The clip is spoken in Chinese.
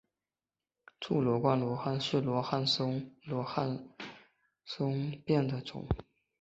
柱冠罗汉松是罗汉松科罗汉松属罗汉松的变种。